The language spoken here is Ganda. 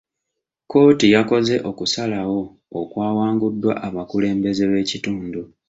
kkooti yakoze okusalawo okwawanguddwa abakulembeze b'ekitundu.